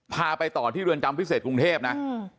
พาไปต่อที่เรือนจำพิเศษกรุงเทพนะ